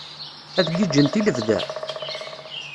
Ad giǧǧent i lebda?